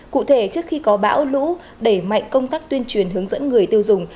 cụ thể trước khi có bão lũ đẩy mạnh công tác tuyên truyền hướng dẫn người tiêu dùng